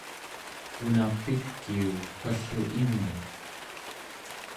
una pikiu wall'u ingna